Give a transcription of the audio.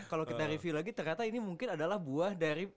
kalau kita review lagi ternyata ini mungkin adalah buah dari